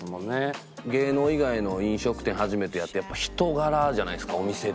芸能以外の飲食店初めてやってやっぱ人柄じゃないですかお店って。